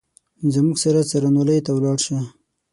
زموږ سره څارنوالۍ ته ولاړ شه !